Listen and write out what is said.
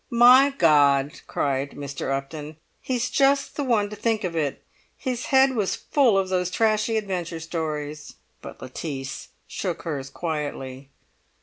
"My God!" cried Mr. Upton, "he's just the one to think of it. His head was full of those trashy adventure stories!" But Lettice shook hers quietly.